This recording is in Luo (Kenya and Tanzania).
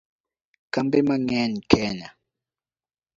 Kambe mang'eny Kenya